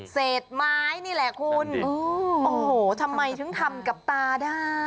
เศษไม้นี่แหละคุณโอ้โหทำไมถึงทำกับตาได้